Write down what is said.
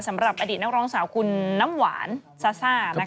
สำหรับอดีตนักร้องสาวคุณน้ำหวานซาซ่า